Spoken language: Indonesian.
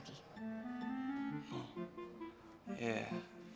nggak bakalan nyari gue lagi